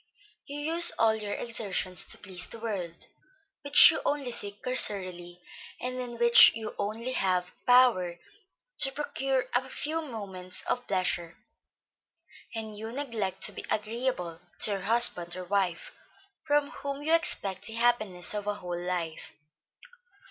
You use all your exertions to please the world which you only see cursorily, and in which you have only power to procure a few moments of pleasure, and you neglect to be agreeable to your husband or wife, from whom you expect the happiness of a whole life.